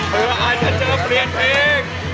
เพื่ออาจจะเจอเปลี่ยนเพลง